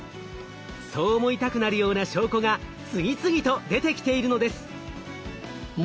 そう思いたくなるような証拠が次々と出てきているのです。